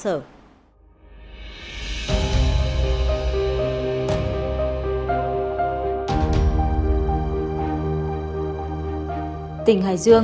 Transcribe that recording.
công an tỉnh hải dương